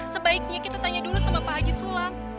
sebaiknya kita tanya dulu sama pak haji sula